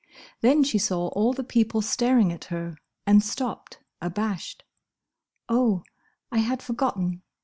Then she saw all the people staring at her, and stopped, abashed. "Oh! I had forgotten!"